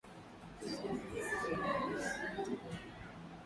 isini na nane hadi mwaka elfu mbili na tatu